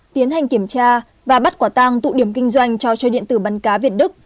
tiến hành kiểm tra và bắt quả tang tụ điểm kinh doanh trò chơi điện tử bắn cá việt đức